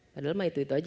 padahal mah itu itu aja